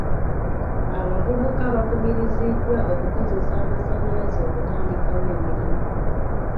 Abavubuka bakubiriziddwa okukozesa amasannyalaze okutandikawo emirimu.